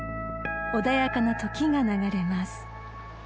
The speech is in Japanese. ［穏やかな時が流れます］